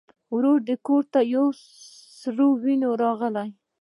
ورور یې کور ته په سرې وینو راغی.